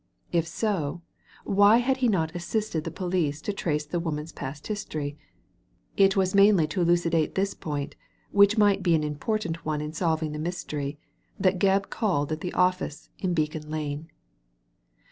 If so, why had he not assisted the police to trace the woman's past history ? It was mainly to elucidate this point — ^which might be an important one in solving the mystery— that Gebb called at the office in Bacon Lane.